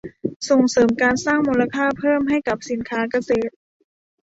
ส่งเสริมการสร้างมูลค่าเพิ่มให้กับสินค้าเกษตร